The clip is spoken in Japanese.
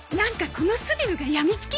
このスリルがやみつきに！